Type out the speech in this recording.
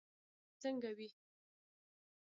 پولیس باید څنګه وي؟